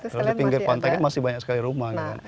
kalau di pinggir pantai kan masih banyak sekali rumah